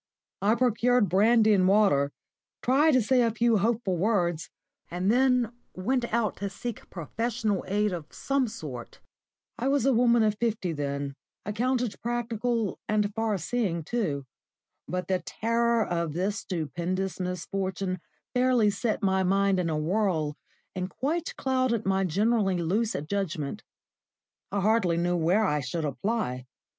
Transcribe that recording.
I procured brandy and water, tried to say a few hopeful words, and then went out to seek professional aid of some sort. I was a woman of fifty then accounted practical and far seeing too. But the terror of this stupendous misfortune fairly set my mind in a whirl and quite clouded my generally lucid judgment. I hardly knew where I should apply.